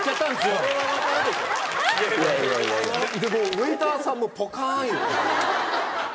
ウエーターさんもポカン。